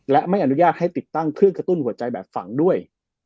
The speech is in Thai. และไม่อนุญาตให้ติดตั้งเครื่องกระตุ้นหัวใจแบบฝังด้วย